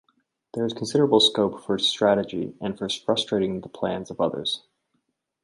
There is considerable scope for strategy and for frustrating the plans of others.